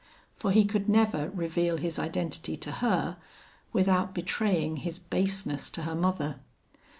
For he could never reveal his identity to her without betraying his baseness to her mother.